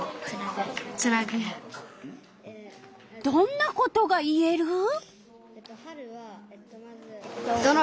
どんなことが言える？